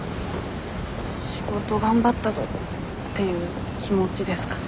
仕事頑張ったぞっていう気持ちですかね。